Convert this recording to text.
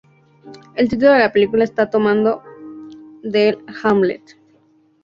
El título de la película está tomado del "Hamlet" de William Shakespeare.